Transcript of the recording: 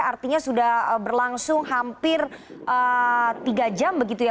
artinya sudah berlangsung hampir tiga jam begitu ya